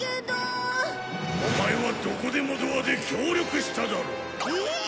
オマエはどこでもドアで協力しただろう。えっ！？